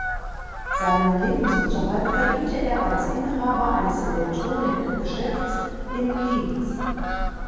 Seinen Lebensunterhalt verdiente er als Inhaber eines Elektronikgeschäfts in Leeds.